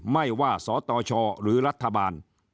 ไม่ว่าสตชหรือรัฐบาล